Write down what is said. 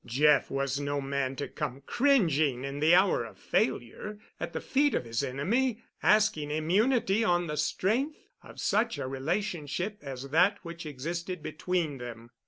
Jeff was no man to come cringing in the hour of failure at the feet of his enemy, asking immunity on the strength of such a relationship as that which existed between them.